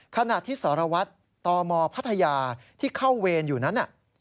ขณะที่สารวัตรตมพัทยาที่เข้าเวรอยู่นั้น